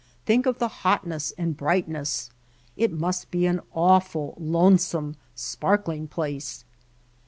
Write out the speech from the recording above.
Think of the hot ness and brightness. It must be an awful, lone some, sparkling place."